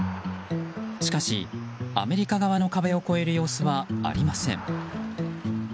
しかしアメリカ側の壁を越える様子はありません。